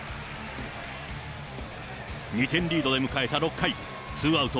２点リードで迎えた６回、ツーアウト